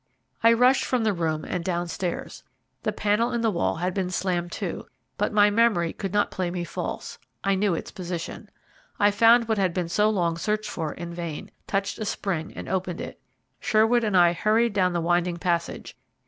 I rushed from the room and downstairs. The panel in the hall had been slammed to, but my memory could not play me false, I knew its position. I found what had been so long searched for in vain, touched a spring, and opened it. Sherwood and I hurried down the winding passage.